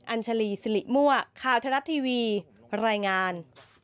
อัญชลีสิริมั่วค่าวธนัททีวีรายงาน